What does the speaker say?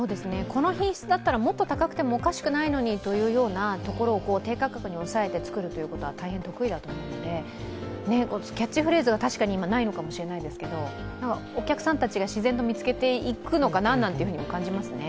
この品質だったらもっと高くてもおかしくないのにというところを低価格に抑えるのは得意だと思うので、キャッチフレーズが確かに今、ないのかもしれないけどお客さんたちがつけていくのかなと思いますよね。